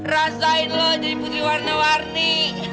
rasain lo jadi putri warna warni